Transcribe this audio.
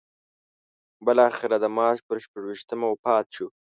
بالاخره د مارچ پر شپږویشتمه وفات شو.